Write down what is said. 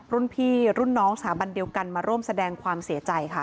รุ่นพี่รุ่นน้องสถาบันเดียวกันมาร่วมแสดงความเสียใจค่ะ